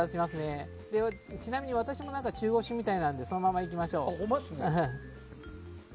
ちなみに私も中腰みたいなのでそのまま行きましょう。